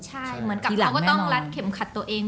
ใช่เหมือนกับเราก็ต้องรัดเข็มขัดตัวเอง